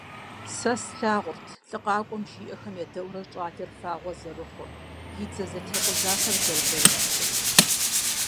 Сэ слъагъурт лӀы къэкӀуам жиӀэхэм едаӀуэурэ щӏалэр фагъуэ зэрыхъур, и дзэ зэтрикъузэхэр зэрызэрышхыр.